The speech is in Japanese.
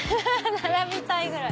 並びたいぐらい。